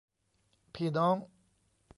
พี่น้อง